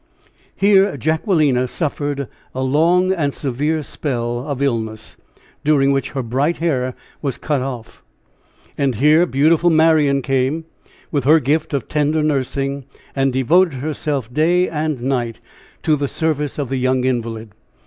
Here Jacquelina suffered a long and severe spell of illness, during which her bright hair was cut off. And here beautiful Marian came, with her gift of tender nursing, and devoted herself day and night to the service of the young invalid.